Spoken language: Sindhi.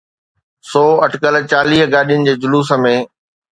سو اٽڪل چاليهه گاڏين جي جلوس ۾.